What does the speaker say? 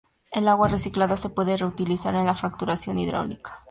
El agua reciclada se puede reutilizar en la fracturación hidráulica.